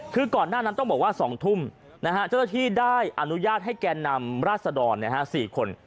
คือก่อนหน้านั้นต้องบอกว่า๒ทุ่มเจ้าหน้าที่ได้อนุญาตให้แก่นำราศดร๔คน